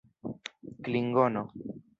klingono